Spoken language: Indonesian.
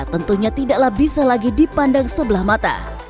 tentunya tidaklah bisa lagi dipandang sebelah mata